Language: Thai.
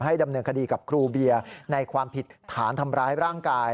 ดำเนินคดีกับครูเบียร์ในความผิดฐานทำร้ายร่างกาย